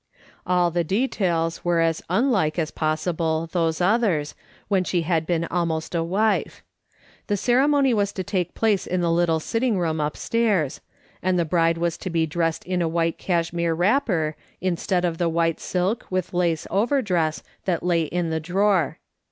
All the details were as unlike as possible those others, when she had been almost a wife. The ceremony was to take place in the little sitting room upstairs, 204 MA'S. SOLO MOM SMITH LOOk'lNG ON. and the bride was to be dressed iii a white cashmere wTapper, instead of the white silk, with lace over dress, til at lay in the drawer.